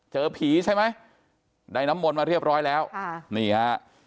เจอผีใช่ไหมได้น้ำมนต์มาเรียบร้อยแล้วค่ะนี่ฮะ